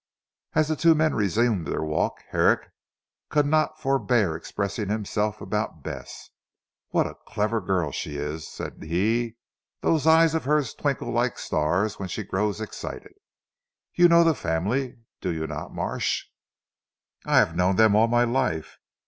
As the two men resumed their walk, Herrick could not forbear expressing himself about Bess. "What a clever girl she is," said he, "those eyes of hers twinkle like stars when she grows excited. You know the family do you not Marsh?" "I have known them all my life.